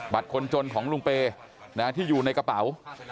คนจนของลุงเปย์ที่อยู่ในกระเป๋า